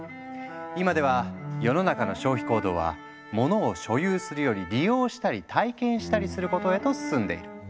今では世の中の消費行動はモノを「所有する」より「利用したり体験したりする」ことへと進んでいる。